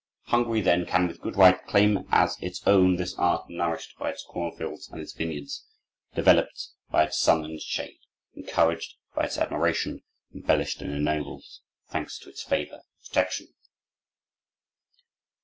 Hungary, then, can with good right claim as its own this art nourished by its cornfields and its vineyards, developed by its sun and its shade, encouraged by its admiration, embellished and ennobled, thanks to its favor and protection."